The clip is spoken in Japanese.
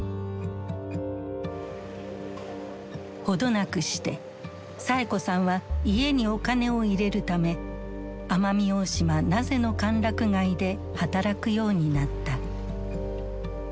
程なくしてサエ子さんは家にお金を入れるため奄美大島名瀬の歓楽街で働くようになった。